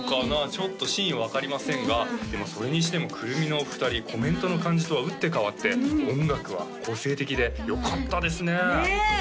ちょっと真意は分かりませんがでもそれにしても９６３のお二人コメントの感じとは打って変わって音楽は個性的でよかったですねねえ